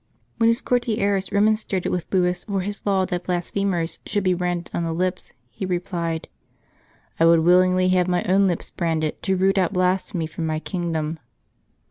When his courtiers remonstrated with Louis for his law that blas phemers should be branded on the lips, he replied, "I would willingly have my own lips branded to root out blasphemy from my kingdom."